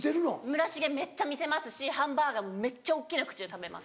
村重めっちゃ見せますしハンバーガーもめっちゃ大っきな口で食べます。